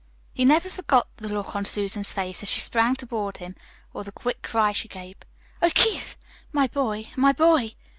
He never forgot the look on Susan's face as she sprang toward him, or the quick cry she gave. "Oh, Keith, my boy, my boy!"